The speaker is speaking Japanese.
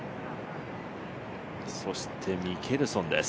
そしてミケルソンです。